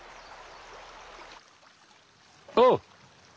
おう！